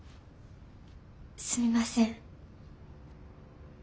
すみません。